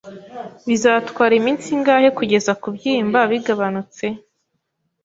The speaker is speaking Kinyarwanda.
Bizatwara iminsi ingahe kugeza kubyimba bigabanutse?